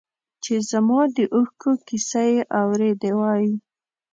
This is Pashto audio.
چې زما د اوښکو کیسه یې اورېدی وای.